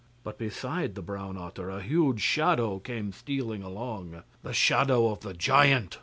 But beside the brown otter, a huge shadow came stealing along the shadow of the giant.